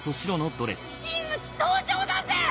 真打ち登場だぜ！